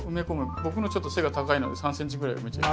僕のちょっと背が高いので３ｃｍぐらい埋めちゃいます。